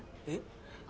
えっ？